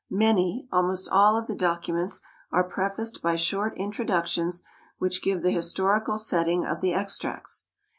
Many, almost all, of the documents are prefaced by short introductions which give the historical setting of the extracts.